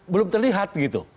belum terlihat gitu